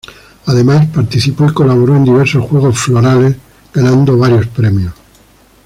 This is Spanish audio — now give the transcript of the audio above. Además, participó y colaboró en diversos Juegos Florales, ganando varios premios.